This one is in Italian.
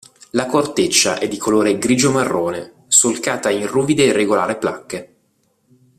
La corteccia è di colore grigio-marrone, solcata in ruvide e irregolari placche.